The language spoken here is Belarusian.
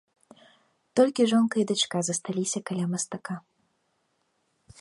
Толькі жонка і дачка засталіся каля мастака.